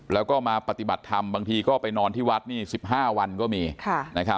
แล้วก็มาปฏิบัติธรรมบางทีก็ไปนอนที่วัดนี่สิบห้าวันก็มีค่ะนะครับ